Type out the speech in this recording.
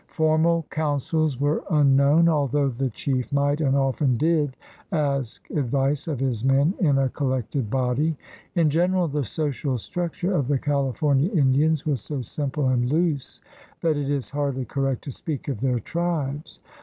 Formal councils were unknown, although the chief might and often did ask advice of his men in a collected body. In general the social structure of the California Indians was so simple and loose that it is hardly correct to speak of their tribes.